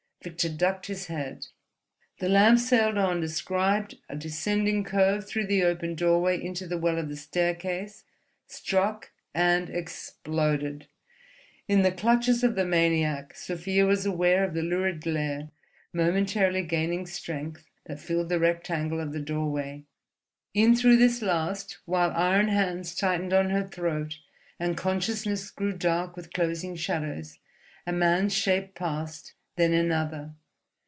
Victor ducked his head. The lamp sailed on, described a descending curve through the open doorway into the well of the staircase, struck, and exploded. In the clutches of the maniac, Sofia was aware of the lurid glare, momentarily gaining strength, that filled the rectangle of the doorway. In through this last, while iron hands tightened on her throat and consciousness grew dark with closing shadows, a man's shape passed, then another....